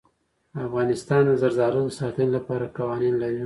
افغانستان د زردالو د ساتنې لپاره قوانین لري.